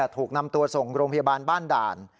ถูกนำตัวส่งโรงพยาบาลบ้านด่าน